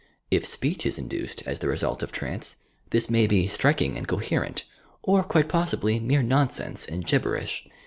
If speech is induced, as the result of trance, this may be striking and coherent, or quite possibly mer« nonsense and "gibberish."